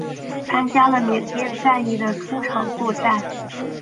参加了缅甸战役的诸场作战。